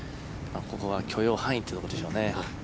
ここは許容範囲というところでしょうね。